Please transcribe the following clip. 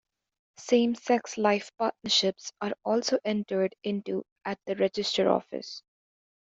Same sex "life partnerships" are also entered into at the register office.